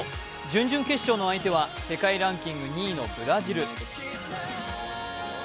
準々決勝の相手は世界ランキング２位のブラジル。